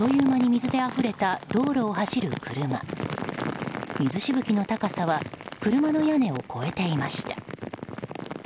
水しぶきの高さは車の屋根を超えていました。